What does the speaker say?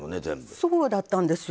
そうだったんです。